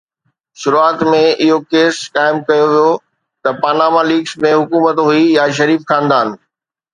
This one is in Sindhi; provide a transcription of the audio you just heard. شروعات ۾ اهو ڪيس قائم ڪيو ويو ته پاناما ليڪس ۾ حڪومت هئي يا شريف خاندان